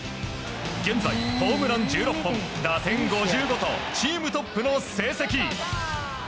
現在ホームラン１６本打点５５とチームトップの成績。